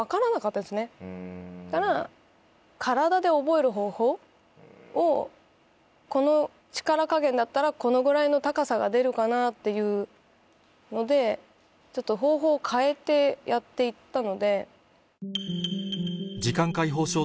体で覚える方法をこの力加減だったらこのぐらいの高さが出るかなっていうのでちょっと方法を変えてやって行ったので。